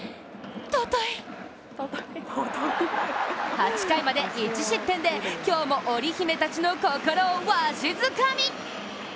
８回まで１失点で今日もオリ姫たちの心をわしづかみ！